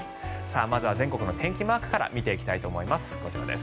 まずは全国の天気マークから見ていきたいと思います。